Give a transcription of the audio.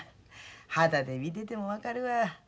はたで見てても分かるわ。